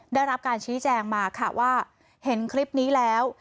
ได้รับการชี้แจงมาค่ะว่าเห็นคลิปนี้แล้ว